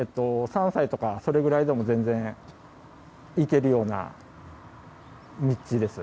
３歳とかそれぐらいでも全然、行けるような道です。